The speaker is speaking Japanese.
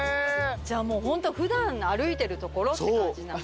じゃあもうホント普段歩いてる所って感じなんですね。